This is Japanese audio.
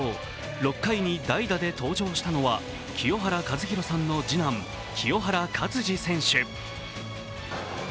６回に代打で登場したのは清原和博さんの次男・清原勝児選手。